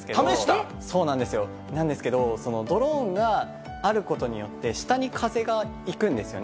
そうなんですよ、なんですけど、ドローンがあることによって、下に風が行くんですよね。